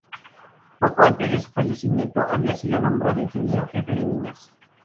Poco antes de su fallecimiento, había sido nombrado Ingeniero Jefe de Minas.